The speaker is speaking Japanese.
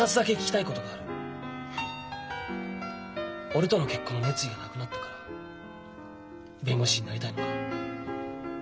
俺との結婚に熱意がなくなったから弁護士になりたいのか？